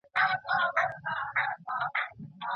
څومره خلګ روغتونونو ته لاسرسی لري؟